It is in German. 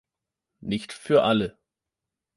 Nicht für alle.